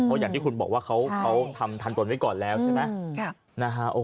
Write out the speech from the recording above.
เพราะอย่างที่คุณบอกว่าเขาทำทันตนไว้ก่อนแล้วใช่ไหม